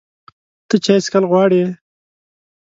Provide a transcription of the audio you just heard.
ته چای څښل غواړې؟